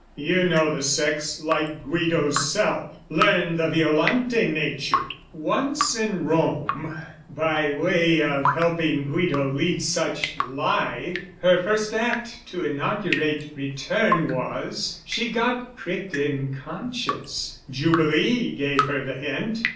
You know the sex like Guido's self. Learn the Violante nature! Once in Rome, By way of helping Guido lead such life, Her first act to inaugurate return Was, she got pricked in conscience: Jubilee Gave her the hint.